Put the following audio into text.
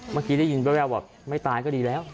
เมื่อกี้ได้ยินแววบอกไม่ตายก็ดีแล้ว